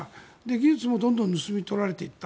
技術もどんどん盗み取られていった。